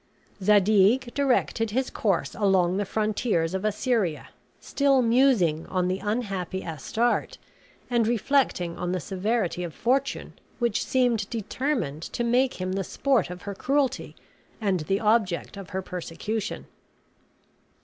Zadig directed his course along the frontiers of Assyria, still musing on the unhappy Astarte, and reflecting on the severity of fortune which seemed determined to make him the sport of her cruelty and the object of her persecution.